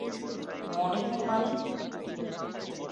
মনে হয় মানে?